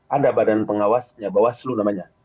ada badan pengawasnya